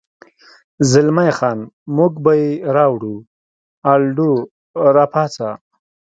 زلمی خان: موږ به یې راوړو، الډو، را پاڅه.